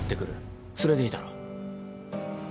それでいいだろ？